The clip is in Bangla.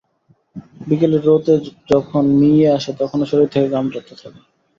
বিকেলে রোদ যখন মিইয়ে আসে, তখনো শরীর থেকে ঘাম ঝরতে থাকে।